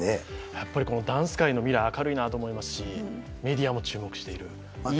やっぱりダンス界の未来、明るいなと思いますし、メディアも注目している。